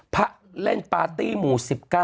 พระเล่นปาร์ตี้หมู่๑๙